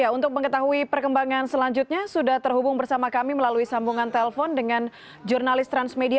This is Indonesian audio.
untuk mengetahui perkembangan selanjutnya sudah terhubung bersama kami melalui sambungan telpon dengan jurnalis transmedia